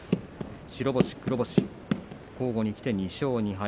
白星、黒星、交互にきて２勝２敗。